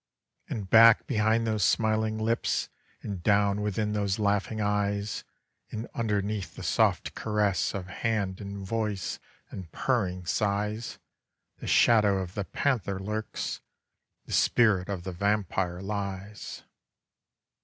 And back behind those smiling lips, And down within those laughing eyes, And underneath the soft caress Of hand and voice and purring sighs, The shadow of the panther lurks, The spirit of the vampire lies.